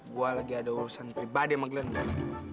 gue lagi ada urusan pribadi sama glenn